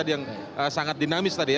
yang sangat dinamis tadi ya